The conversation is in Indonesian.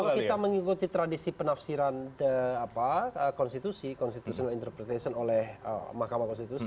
kalau kita mengikuti tradisi penafsiran konstitusi constitutional interpretation oleh mahkamah konstitusi